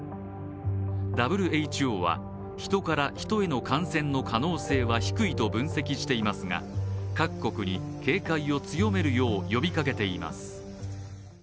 ＷＨＯはヒトからヒトへの感染の可能性は低いと分析していますが、各国に警戒を強めるよう呼びかけています。